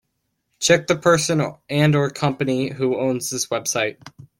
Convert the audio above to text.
Check the person and/or company who owns this website.